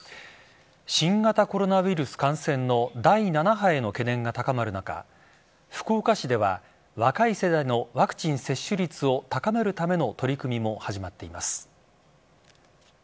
新型コロナウイルス感染の第７波への懸念が高まる中福岡市では若い世代のワクチン接種率を高めるための取り組みも始まっています。